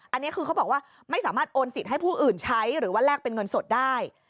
อันนี้คือเขาบอกว่าไม่สามารถโอนสิทธิ์ให้ผู้อื่นใช้หรือว่าแลกเป็นเงินสดได้